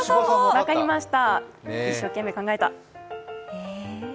分かりました。